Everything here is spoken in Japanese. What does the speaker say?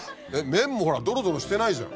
麺もほらドロドロしてないじゃん。